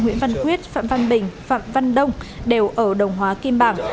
nguyễn văn quyết phạm văn bình phạm văn đông đều ở đồng hóa kim bảng